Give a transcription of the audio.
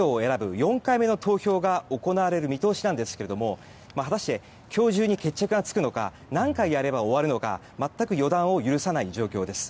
４回目の投票が行われる見通しなんですが果たして今日中に決着がつくのか何回やれば終わるのか全く予断を許さない状況です。